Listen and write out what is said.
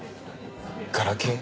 ガラケー？